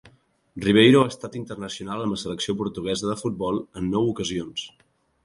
Ribeiro ha estat internacional amb la selecció portuguesa de futbol en nou ocasions.